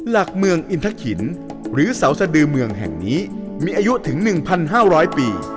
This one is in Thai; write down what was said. หลักเมืองอินทะขินหรือเสาสดือเมืองแห่งนี้มีอายุถึง๑๕๐๐ปี